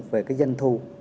về cái danh thu